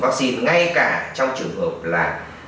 vắc xin ngay cả trong trường hợp là